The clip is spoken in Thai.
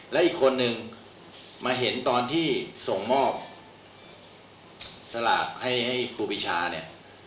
และอีกคนนึงมาเห็นตอนที่ส่งมอบสลากให้ครูปีชาเนี่ย